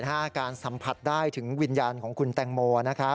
การสัมผัสได้ถึงวิญญาณของคุณแตงโม